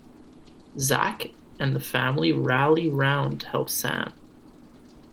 Zak and the family rally round to help Sam.